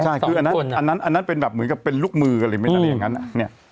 ใช่คืออันนั้นอันนั้นเป็นแบบเหมือนกับเป็นลูกมืออะไรอย่างนั้น